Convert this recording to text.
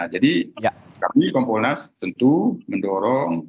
jadi kami kompolnas tentu mendorong penugasan